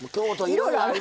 いろいろある。